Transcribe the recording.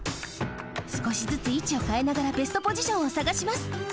すこしずついちをかえながらベストポジションをさがします。